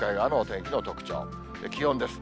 気温です。